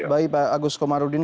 baik pak agus komarudin